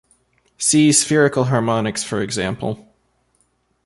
See spherical harmonics for example.